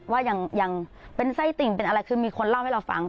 ว่ายังเป็นไส้ติ่งเป็นอะไรคือมีคนเล่าให้เราฟัง